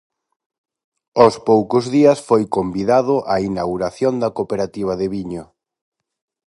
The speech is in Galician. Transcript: Ós poucos días foi convidado á inauguración da cooperativa de viño.